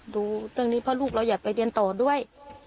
ดูเรื่องนี้เพราะลูกเราอยากไปเรียนต่อด้วย